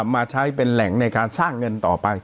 มาใช้เป็นแหล่งในการสร้างเงินต่อไป